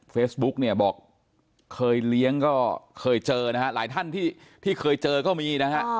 เฟซบุ๊คบอกเคยเลี้ยงก็เคยเจอหลายท่านที่เคยเจอก็มี